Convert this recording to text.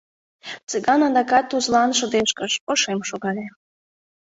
Цыган адакат Тузлан шыдешкыш, ошем шогале.